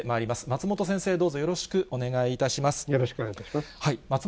松本先生、どうぞよろしくお願いよろしくお願いいたします。